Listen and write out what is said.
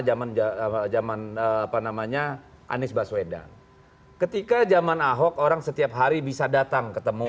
zaman zaman apa namanya anies baswedan ketika zaman ahok orang setiap hari bisa datang ketemu